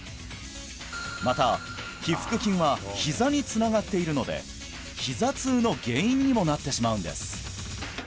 また腓腹筋はひざにつながっているのでひざ痛の原因にもなってしまうんです